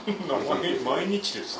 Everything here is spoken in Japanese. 毎日ですか。